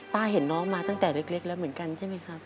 เห็นน้องมาตั้งแต่เล็กแล้วเหมือนกันใช่ไหมครับ